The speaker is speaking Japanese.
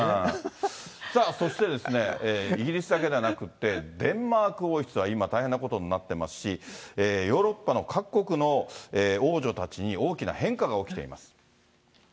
さあ、そしてですね、イギリスだけではなくって、デンマーク王室は今大変なことになってますし、ヨーロッパの各国の王女たちに大きな変化が起きています。